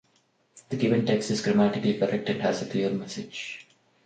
The given text is grammatically correct and has a clear message.